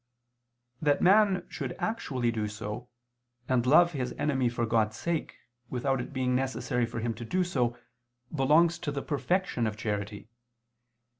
That man should actually do so, and love his enemy for God's sake, without it being necessary for him to do so, belongs to the perfection of charity.